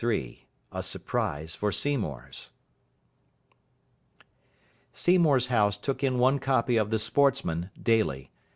XXIII A SURPRISE FOR SEYMOUR'S Seymour's house took in one copy of the Sportsman daily.